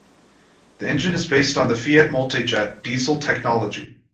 The engine is based on the Fiat Multijet diesel technology.